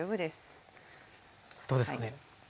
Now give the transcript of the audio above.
どうですかね。